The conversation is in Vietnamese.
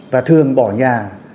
và thường bỏ nhà